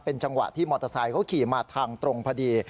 จังหวะที่มอเตอร์ไซค์เขาขี่มาทางตรงพอดี